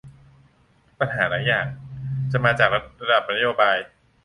ปัญหาหลายอย่างจะมาจากระดับนโยบาย